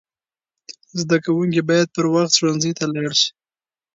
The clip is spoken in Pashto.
زده کوونکي باید پر وخت ښوونځي ته لاړ سي.